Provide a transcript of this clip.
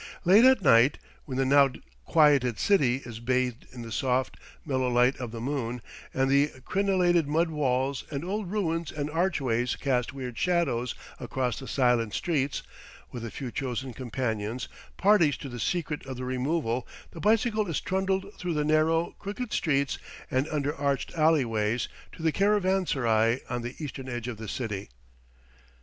Late at night, when the now quieted city is bathed in the soft, mellow light of the moon, and the crenellated mud walls and old ruins and archways cast weird shadows across the silent streets, with a few chosen companions, parties to the secret of the removal, the bicycle is trundled through the narrow, crooked streets and under arched alleyways, to the caravanserai on the eastern edge of the city.